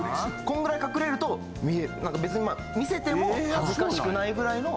こんぐらい隠れると別にまあ見せても恥ずかしくないぐらいの。